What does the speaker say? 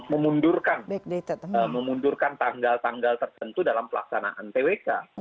memundurkan tanggal tanggal tertentu dalam pelaksanaan twk